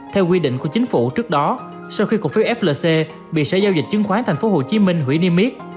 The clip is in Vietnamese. theo quy định của chính phủ trước đó sau khi cổ phiếu flc bị sở giao dịch chứng khoán tp hcm hủy niêm yết